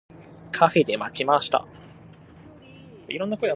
カフェで待ちました。